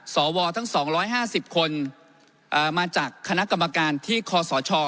สวทข์ทั้งสองร้อยห้าสิบคนอ่ามาจากคณะกรรมการที่คศช